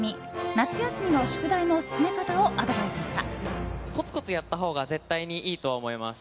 夏休みの宿題の進め方をアドバイスした。